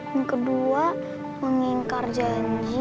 yang kedua mengingkar janji